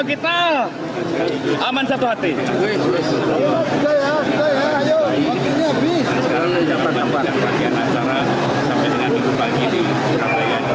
bagi anak anak sampai dengan minggu pagi ini surabaya adalah pemerintah